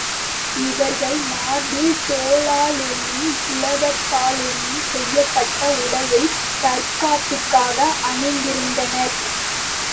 இவர்கள் மார்பில் தோலாலேனும், உலோகத்தாலேனும் செய்யப்பட்ட உடையைத் தற்காப்புக்காக அணிந்திருந்தனர்.